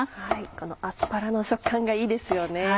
このアスパラの食感がいいですよね。